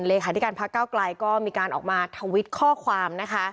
เลยขาดดีกันพักก้าวไกลก็มีการออกมาทวิตข้อความ